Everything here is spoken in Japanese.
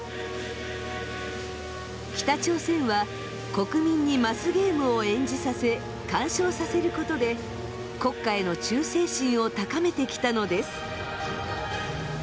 北朝鮮は国民にマスゲームを演じさせ鑑賞させることで国家への忠誠心を高めてきたのです。